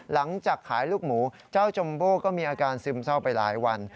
หลังจากขายลูกหมูเจ้าจัมโบ้ก็มีอาการซึมเศร้าไปหลายวัน